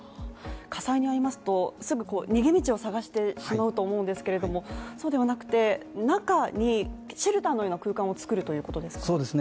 火災によりますと、すぐ逃げ道を探してしまうと思うんですけれども、そうではなくて中にシェルターのような空間をつくるということですね